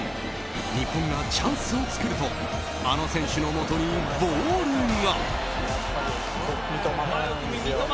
日本がチャンスを作るとあの選手のもとにボールが。